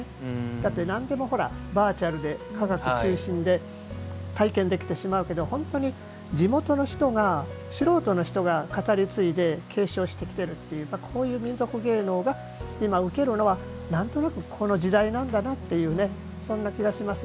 だって、何でもバーチャルで科学中心で体験できてしまうけど本当に地元の人が素人の人が語り継いで継承してきているというこういう民俗芸能が今、受けるのは何となくこの時代なんだなというそんな気がします。